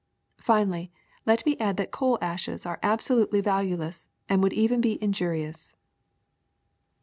Finally let me add that coal ashes are absolutely valueless and would even be injurious."